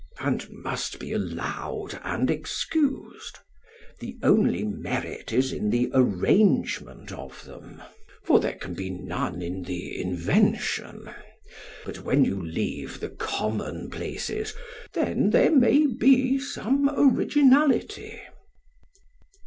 and must be allowed and excused; the only merit is in the arrangement of them, for there can be none in the invention; but when you leave the commonplaces, then there may be some originality.